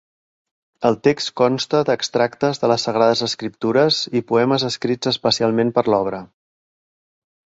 El text consta d'extractes de les Sagrades Escriptures i poemes escrits especialment per l'obra.